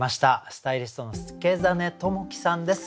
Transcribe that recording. スタイリストの祐真朋樹さんです。